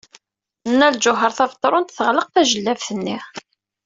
Nna Lǧuheṛ Tabetṛunt teɣleq tajellabt-nni.